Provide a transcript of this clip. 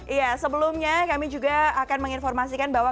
iya sebelumnya kami juga akan menginformasikan bahwa